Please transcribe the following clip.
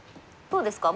どうですか？